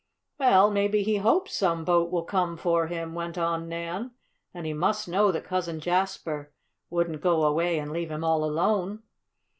"Well, maybe he hopes some boat will come for him," went on Nan. "And he must know that Cousin Jasper wouldn't go away and leave him all alone."